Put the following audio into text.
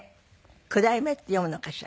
九代目って読むのかしら？